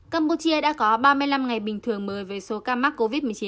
campuchia đã có ba mươi năm ngày bình thường mới về số ca mắc covid một mươi chín